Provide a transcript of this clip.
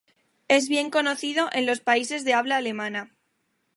Es bien conocido en los países de habla alemana.